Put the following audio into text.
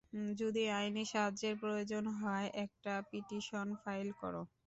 যদি আইনি সাহায্যের প্রয়োজন হয়, একটা পিটিশন ফাইল করো।